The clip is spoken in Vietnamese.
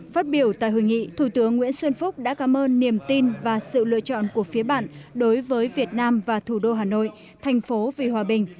phát biểu tại hội nghị thủ tướng nguyễn xuân phúc đã cảm ơn niềm tin và sự lựa chọn của phía bạn đối với việt nam và thủ đô hà nội thành phố vì hòa bình